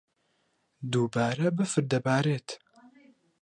دووبارە بەفر دەبارێت.